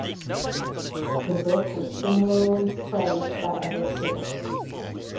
The book was similarly praised by other critics.